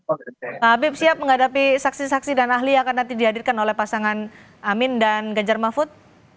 oke habib siap menghadapi saksi saksi dan ahli yang akan nanti dihadirkan oleh pasangan amin dan ganjar mahfud